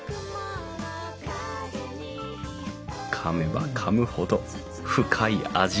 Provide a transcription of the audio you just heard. かめばかむほど深い味わい。